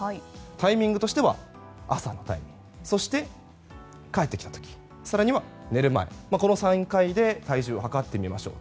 タイミングとしては朝、そして帰ってきた時更には寝る前の３回で体重を量ってみましょう。